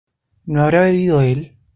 ¿no habrá bebido él?